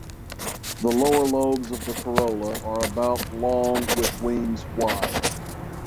The lower lobes of the corolla are about long with wings wide.